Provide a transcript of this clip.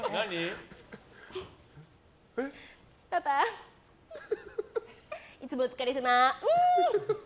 パパ、いつもお疲れさま。